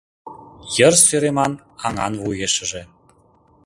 Йыр сӧреман аҥан вуешыже